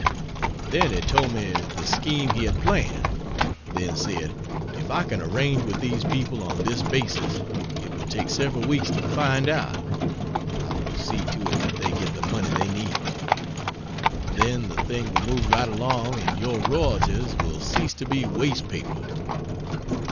Then he told me the scheme he had planned, then said: "If I can arrange with these people on this basis it will take several weeks to find out I will see to it that they get the money they need. Then the thing will move right along and your royalties will cease to be waste paper.